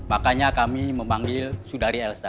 makanya kami memanggil saudari elsa